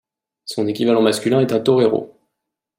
Son équivalent masculin est un torero.